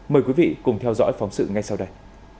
mời quý vị cùng theo dõi phóng sự ngay sau đây